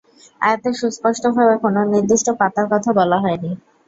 আয়াতে সুস্পষ্টভাবে কোন নির্দিষ্ট পাতার কথা বলা হয়নি।